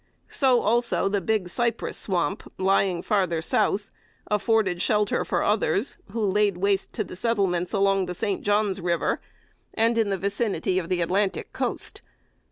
So also the Big Cypress Swamp, lying farther south, afforded shelter for others, who laid waste the settlements along the St. John's River, and in the vicinity of the Atlantic Coast.